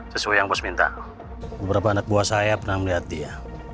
sesuai yang bos minta beberapa anak buah saya pernah melihat dia